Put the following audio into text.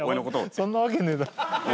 そんなわけねえだろ。